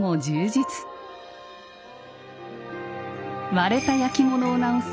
割れた焼き物を直す